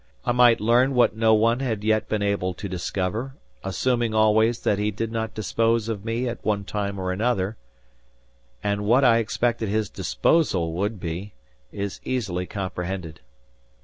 I might learn what no one had yet been able to discover, assuming always that he did not dispose of me at one time or another—and what I expected his "disposal" would be, is easily comprehended.